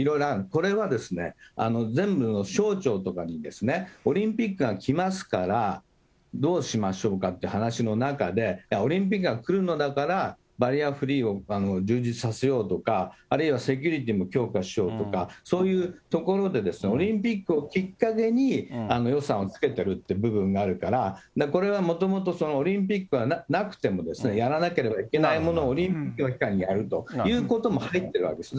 これは全部の象徴とかに、オリンピックがきますからどうしましょうかっていう話の中で、オリンピックが来るのだから、バリアフリーを充実させようとか、あるいはセキュリティーも強化しようとか、そういうところで、オリンピックをきっかけに予算をつけてるっていう部分があるから、これはもともとオリンピックがなくてもやらなければいけないものをオリンピックの期間にやるということも入ってるわけです。